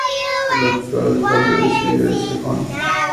El actual Alcalde de Ceiba es el Hon.